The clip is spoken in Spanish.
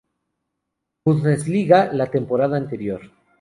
Bundesliga la temporada anterior.